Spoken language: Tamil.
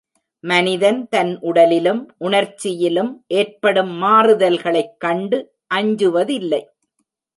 மனிதன் தன் உடலிலும் உணர்ச்சியிலும் ஏற்படும் மாறுதல்களைக் கண்டு அஞ்சுவதில்லை.